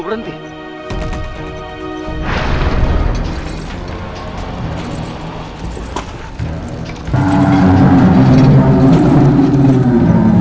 mereka akan menggugurku